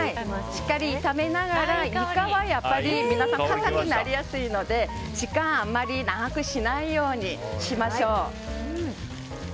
しっかり炒めながらイカは硬くなりやすいので時間あまり長くしないようにしましょう。